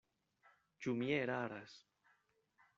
Ĉu mi eraras?